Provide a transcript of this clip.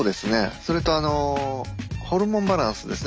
それとあのホルモンバランスですね。